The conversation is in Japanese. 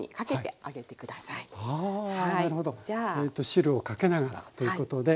汁をかけながらということで。